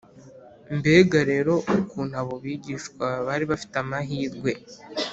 mbega rero ukuntu abo bigishwa bari bafite amahirwe